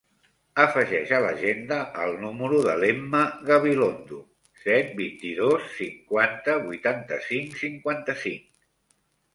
Afegeix a l'agenda el número de l'Emma Gabilondo: set, vint-i-dos, cinquanta, vuitanta-cinc, cinquanta-cinc.